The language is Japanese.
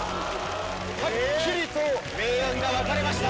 ハッキリと明暗が分かれました。